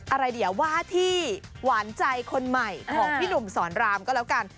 อะไรเดี๋ยวว่าที่หวานใจคนใหม่ของพี่หนุ่มสอนรามก็แล้วกัน